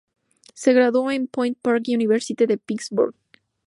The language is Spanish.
Se graduó en la Point Park University de Pittsburgh.